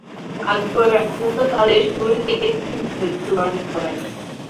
আকবরের রাজত্বকালের শুরুর দিকে তিনি মৃত্যুবরণ করেন।